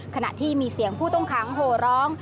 ขณะที่มีเสียงผู้ต้องขังโหร้อง